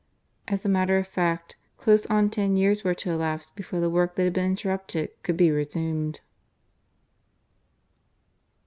As a matter of fact close on ten years were to elapse before the work that had been interrupted could be resumed.